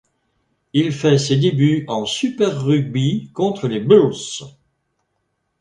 Il fait ses débuts en Super Rugby le contre les Bulls.